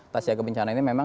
tas jaga bencana ini memang